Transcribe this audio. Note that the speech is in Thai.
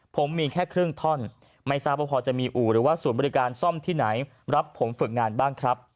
ผมมีแค่ครึ่งท่อนไม่ทราบว่าพอจะมีอู่หรือว่าศูนย์บริการซ่อมที่ไหนรับผมฝึกงานบ้างครับ